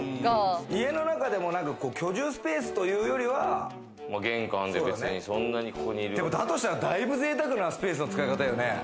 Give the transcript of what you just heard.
家の中でも居住スペースというよりは、だとしたらだいぶぜいたくのスペースの使い方よね。